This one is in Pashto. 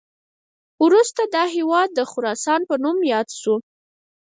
وروسته دا هیواد د خراسان په نوم یاد شو